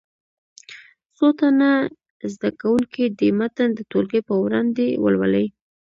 څو تنه زده کوونکي دې متن د ټولګي په وړاندې ولولي.